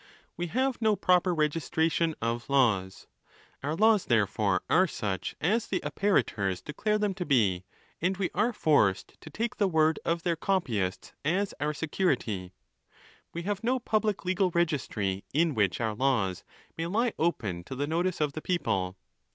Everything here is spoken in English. We have no proper registration of laws. Our laws, therefore, are such as the apparitors declare them to be, and we are forced to take the word of their copyists as our security. We have no public legal registry, in which our laws may lie open to the notice of the people.